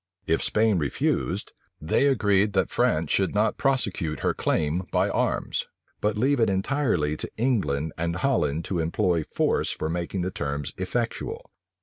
If Spain refused, they agreed that France should not prosecute her claim by arms, but leave it entirely to England and Holland to employ force for making the terms effectual.